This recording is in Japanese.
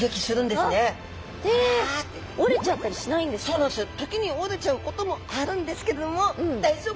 そうなんですよ。